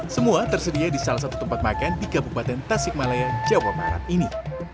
semua tersedia di salah satu tempat makan di kabupaten tasik malaya jawa barat ini